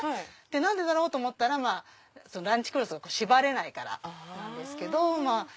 何でだろう？と思ったらランチクロスを縛れないからなんですけど。